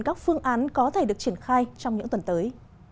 các phương án có thể được triển khai trong những tuần tới